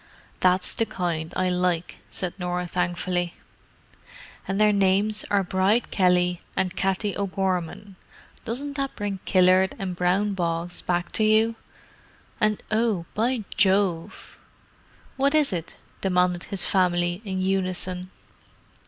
"That's the kind I like," said Norah thankfully. "And their names are Bride Kelly and Katty O'Gorman; doesn't that bring Killard and brown bogs back to you? And—oh, by Jove!" "What is it?" demanded his family, in unison.